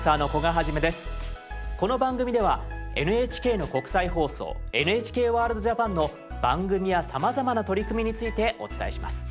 この番組ではＮＨＫの国際放送「ＮＨＫＷＯＲＬＤ−ＪＡＰＡＮ」の番組やさまざまな取り組みについてお伝えします。